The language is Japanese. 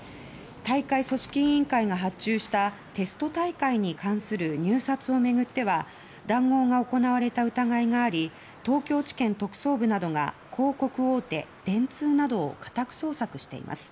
大会組織委員会が発注したテスト大会に関する入札を巡っては談合が行われた疑いがあり東京地検特捜部などが広告大手・電通などを家宅捜索しています。